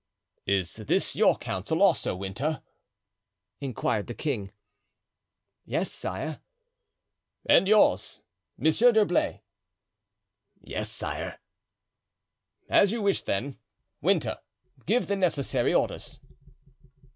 "Is this your counsel also, Winter?" inquired the king. "Yes, sire." "And yours, Monsieur d'Herblay?" "Yes, sire." "As you wish, then. Winter, give the necessary orders."